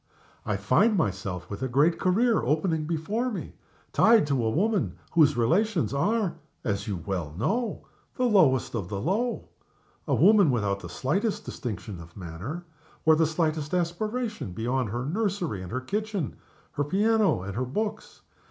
I find myself, with a great career opening before me, tied to a woman whose relations are (as you well know) the lowest of the low. A woman without the slightest distinction of manner, or the slightest aspiration beyond her nursery and her kitchen, her piano and her books.